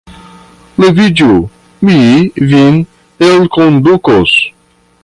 Leviĝu, mi vin elkondukos!